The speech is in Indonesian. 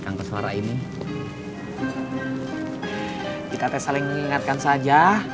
kalaupun gak ada ombaknya